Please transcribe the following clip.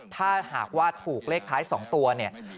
ถ้าหากว่าถูกเลขท้าย๒ตัวเนี่ย